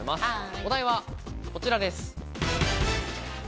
お題はこちらです。